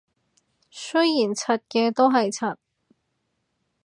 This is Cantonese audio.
雖然柒嘅都係柒